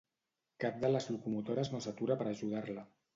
Cap de les locomotores no s'atura per ajudar-la.